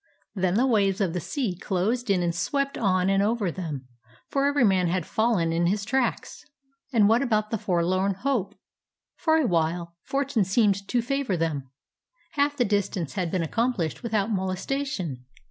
Then the waves of the sea closed in and swept on and over them, for every man had fallen in his tracks. And what about the forlorn hope? For a while for tune seemed to favor them. Half the distance had been accomplished without molestation.